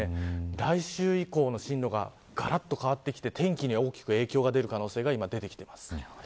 来週以降の進路ががらっと変わってきて天気に大きく影響が出る可能性が出ています。